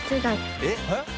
えっ？